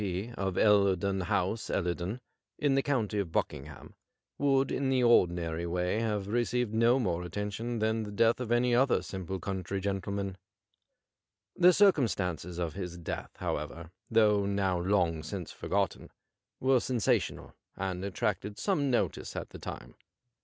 P., of EUerdon House, Ellei don, in the county of Buckingham, would in the ordinary way have received no more attention than the death of any other simple country gentle man. The circumstances of his death, however, though now long since forgotten, were sensational, and attracted some notice at the time.